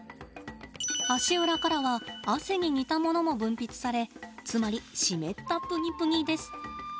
足裏からは汗に似たものも分泌されつまり湿ったプニプニです。